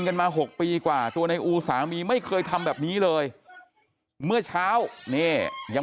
กันมา๖ปีกว่าตัวในอูสามีไม่เคยทำแบบนี้เลยเมื่อเช้านี่ยัง